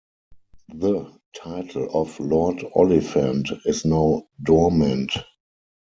The title of Lord Oliphant is now dormant.